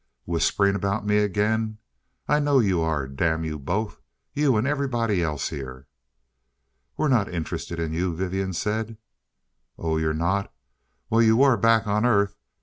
"Whispering about me again? I know you are damn you both. You and everybody else here." "We're not interested in you," Vivian said. "Oh, you're not? Well you were, back on Earth.